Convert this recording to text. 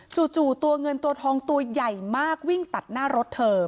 จู่ตัวเงินตัวทองตัวใหญ่มากวิ่งตัดหน้ารถเธอ